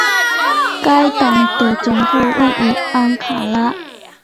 该党的总部位于安卡拉。